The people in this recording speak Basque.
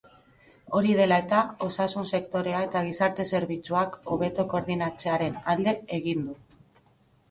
Hori dela eta, osasun sektorea eta gizarte-zerbitzuak hobeto koordinatzearen alde egin du.